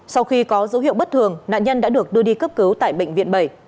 sau khi có dấu hiệu bất thường nạn nhân đã được đưa đi cấp cứu tại bệnh viện bảy